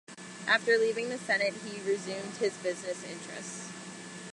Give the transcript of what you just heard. After leaving the Senate, he resumed his business interests.